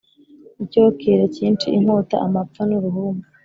icyokere cyinshi, inkota, amapfa n’uruhumbu,